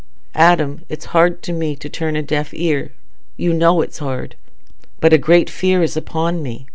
"Adam, it's hard to me to turn a deaf ear... you know it's hard; but a great fear is upon me.